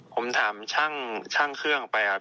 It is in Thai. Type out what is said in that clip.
ผมถามช่างเครื่องไปครับ